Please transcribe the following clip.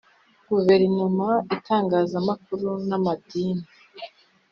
guverinoma ong itangazamakuru n amadini